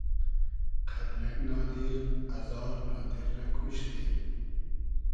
قئد یئگ نادیر ازار نادیر رۂ کوشتی